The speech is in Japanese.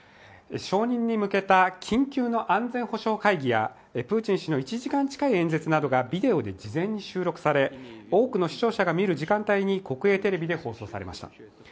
承認に向けた緊急の安全保障会議やプーチン氏の１時間近い演説などがビデオで事前に収録され多くの視聴者が見る時間帯に国営テレビで放送されました。